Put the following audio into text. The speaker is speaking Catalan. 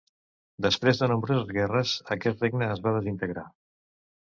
Després de nombroses guerres, aquest regne es va desintegrar.